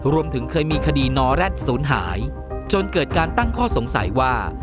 รวมถึงเคยมีคดีนอแร็ดศูนย์หายจนเกิดการตั้งข้อสงสัยว่า